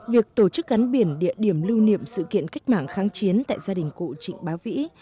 việc tổ chức gắn biển địa điểm lưu niệm sự kiện cách mạng kháng chiến tại gia đình cụ trịnh bá vĩ